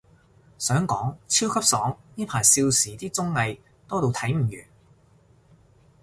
想講，超級爽，呢排少時啲綜藝，多到睇唔完